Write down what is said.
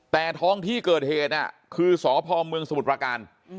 แต่ท้องที่เกิดเหตุคือสพเมืองสมุทรประการ